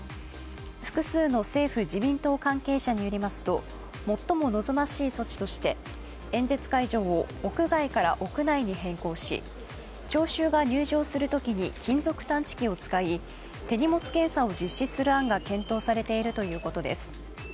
複数の政府・自民党関係者によりますと、最も望ましい措置として、演説会場を屋外から屋内に変更し、聴衆が入場するときに金属探知機を使い手荷物検査を実施する案が健闘されているということです。